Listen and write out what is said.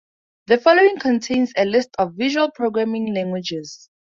The following contains a list of visual programming languages.